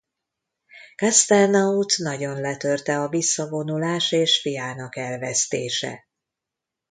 Castelnaut nagyon letörte a visszavonulás és fiának elvesztése.